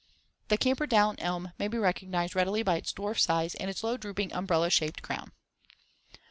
The Camperdown elm may be recognized readily by its dwarf size and its low drooping umbrella shaped crown.